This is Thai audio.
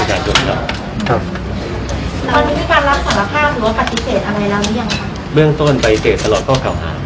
พี่แจงในประเด็นที่เกี่ยวข้องกับความผิดที่ถูกเกาหา